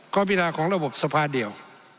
ข้อมีราวของระบบสภาเดียว